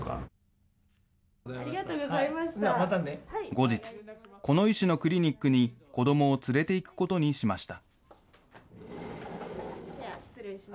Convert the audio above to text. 後日、この医師のクリニックに子どもを連れていくことにしました。